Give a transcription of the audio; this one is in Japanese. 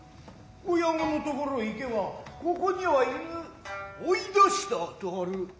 親御の所へ行けば「ここには居ぬ追い出した」とある。